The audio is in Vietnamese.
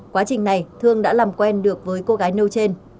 quá trình này thương đã làm quen được với cô gái nêu trên